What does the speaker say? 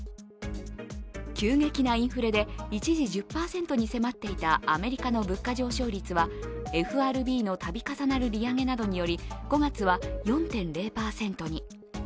急激なインフレで一時１０％に迫っていたアメリカの物価上昇率はＦＲＢの度重なる利上げなどにより５月は４．０％に。